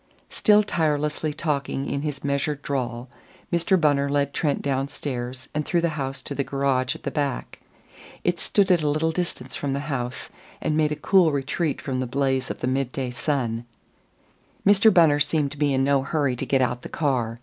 Still tirelessly talking in his measured drawl, Mr. Bunner led Trent downstairs and through the house to the garage at the back. It stood at a little distance from the house, and made a cool retreat from the blaze of the mid day sun. Mr. Bunner seemed to be in no hurry to get out the car.